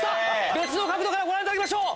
別の角度ご覧いただきましょう